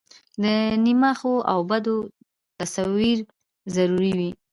د نیمه ښو او بدو تصویر ضروري وي.